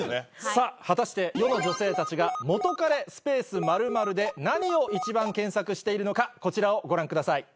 さぁ果たして世の女性たちが「元カレ○○」で何を一番検索しているのかこちらをご覧ください。